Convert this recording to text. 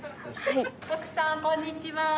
徳さんこんにちは！